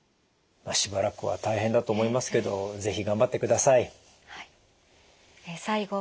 しばらくは大変だと思いますけど是非頑張ってください。